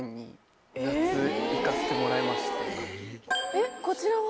えっこちらは？